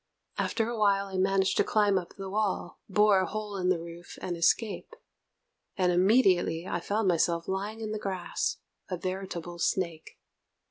After a while I managed to climb up the wall, bore a hole in the roof, and escape; and immediately I found myself lying in the grass, a veritable snake.